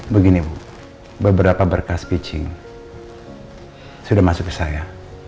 begini bu beberapa berkah speech ing sudah masuk ke saya